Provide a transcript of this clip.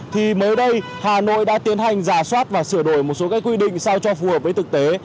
thì mới đây hà nội đã tiến hành giả soát và sửa đổi một số các quy định sao cho phù hợp với thực tế